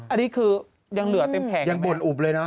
อันนี้คือยังเหลือเต็มแผงยังบ่นอุบเลยนะ